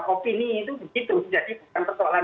opini itu begitu jadi bukan persoalan